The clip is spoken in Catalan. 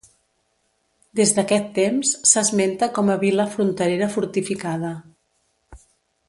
Des d'aquest temps s'esmente com a vila fronterera fortificada.